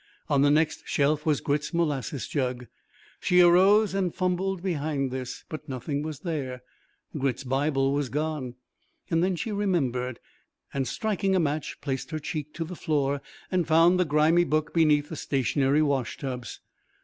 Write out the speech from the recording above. On the next shelf was Grit's molasses jug. She arose and fumbled behind this, but nothing was there Grit's Bible was gone. Then she remembered, and striking a match placed her cheek to the floor and found the grimy book beneath the stationary washtubs.